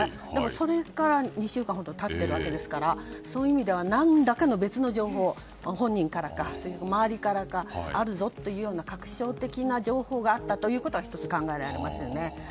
それから２週間ほど経っているわけですからそういう意味では何らかの別の情報が本人からか周りからかあるぞというような確証的な情報があったということは１つ、考えられますよね。